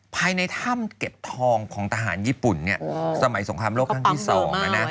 ภายในถ้ำเก็บทองของทหารญี่ปุ่นสมัยสงครามโลกข้างที่สอง